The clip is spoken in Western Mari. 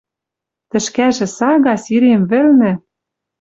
Тӹшкӓжӹ сага сирем вӹлнӹ